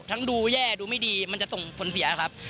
ทั้งดูแย่ดูไม่ดีมันจะส่งผลเสียครับ